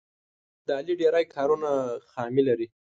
د علي ډېری کارونه خامي لري.